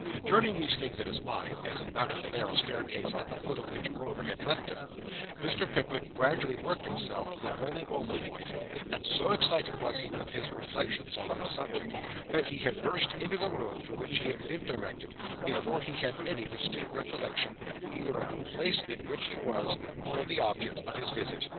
Turning these things in his mind, as he mounted the narrow staircase at the foot of which Roker had left him, Mr. Pickwick gradually worked himself to the boiling over point; and so excited was he with his reflections on this subject, that he had burst into the room to which he had been directed, before he had any distinct recollection, either of the place in which he was, or of the object of his visit.